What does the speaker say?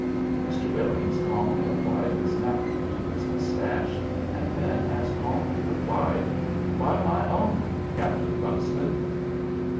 Mr. Billings calmly applied his napkin to his moustache, and then as calmly replied, "By my own, Captain Buxton."